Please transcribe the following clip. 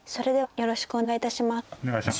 よろしくお願いします。